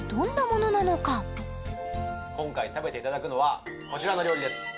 今回食べていただくのはこちらの料理です